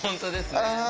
ああ。